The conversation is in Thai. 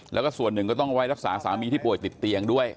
แล้วก็ส่วนหนึ่งก็ต้องไว้รักษาสามีที่ป่วยติดเตียงด้วย